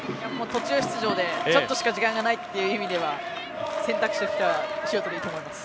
途中出場で少ししか時間ないという意味では選択肢としてはシュートはいいと思います。